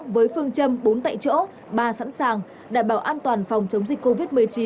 với phương châm bốn tại chỗ ba sẵn sàng đảm bảo an toàn phòng chống dịch covid một mươi chín